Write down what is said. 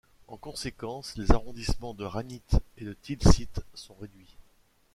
En conséquence, les arrondissements de Ragnit et de Tilsit sont réduits.